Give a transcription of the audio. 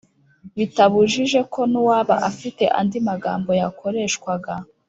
bitabujije ko n’uwaba afite andi magambo yakoreshwaga